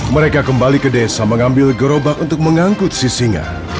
mereka kembali ke desa mengambil gerobak untuk mengangkut sisinga